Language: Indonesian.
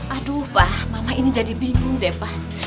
aduh pak mama ini jadi bingung deh pak